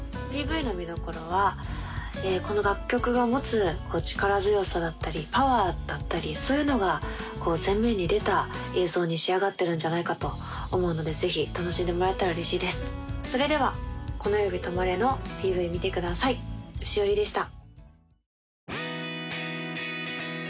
ＰＶの見どころはこの楽曲が持つ力強さだったりパワーだったりそういうのが前面に出た映像に仕上がってるんじゃないかと思うのでぜひ楽しんでもらえたら嬉しいですそれでは「このゆびとまれ」のＰＶ見てください詩央里でした